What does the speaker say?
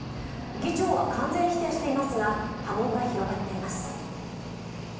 議長は完全否定していますが波紋が広がっています。